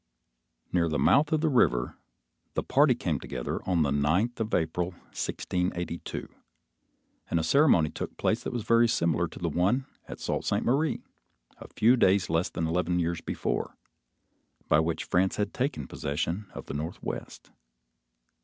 Near the mouth of the river, the party came together on the ninth of April, 1682, and a ceremony took place that was very similar to the one at the Sault Ste. Marie, a few days less than eleven years before, by which France had taken possession of the Northwest.